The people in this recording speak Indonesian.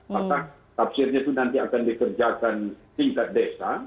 maka tafsirnya itu nanti akan dikerjakan tingkat desa